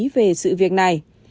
về sự việc này